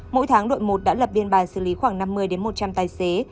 mỗi tháng đội một đã lập biên bản xử lý khoảng năm mươi một trăm linh tài xế